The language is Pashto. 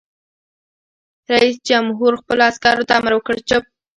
رئیس جمهور خپلو عسکرو ته امر وکړ؛ چپ!